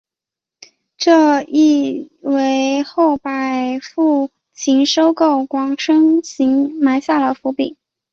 这亦为及后百富勤收购广生行埋下了伏笔。